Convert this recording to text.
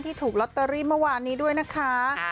ถูกลอตเตอรี่เมื่อวานนี้ด้วยนะคะ